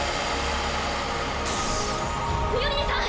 ミオリネさん！